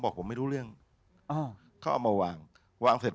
พระพุทธพิบูรณ์ท่านาภิรม